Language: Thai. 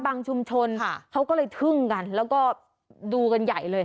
ชุมชนเขาก็เลยทึ่งกันแล้วก็ดูกันใหญ่เลย